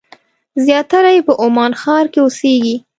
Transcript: زیاتره یې په عمان ښار کې اوسېږي.